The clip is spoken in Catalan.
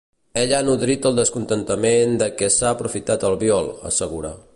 Ell ha nodrit el descontentament de què s’ha aprofitat Albiol, assegura.